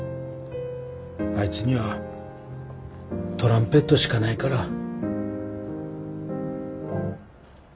あいつにはトランペットしかないから。